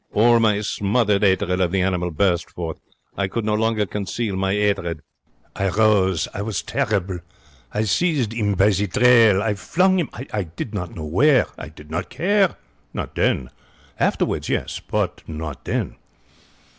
All my smothered 'atred of the animal burst forth. I could no longer conceal my 'atred. I rose. I was terrible. I seized 'im by the tail. I flung him I did not know where. I did not care. Not then. Afterwards, yes, but not then.